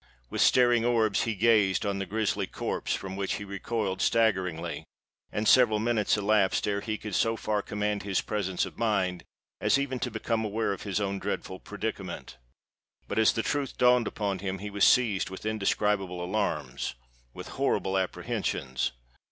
With staring orbs he gazed on the grisly corpse from which he recoiled staggeringly; and several minutes elapsed ere he could so far command his presence of mind, as even to become aware of his own dreadful predicament. But as the truth dawned upon him, he was seized with indescribable alarms—with horrible apprehensions.